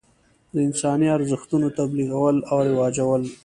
د انساني ارزښتونو تبلیغول او رواجول.